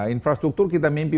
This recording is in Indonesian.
infrastruktur kita mimpi